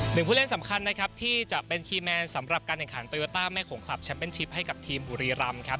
ผู้เล่นสำคัญนะครับที่จะเป็นคีย์แมนสำหรับการแข่งขันโตโยต้าแม่ขงคลับแชมเป็นชิปให้กับทีมบุรีรำครับ